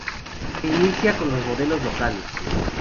Se inicia con los modelos locales.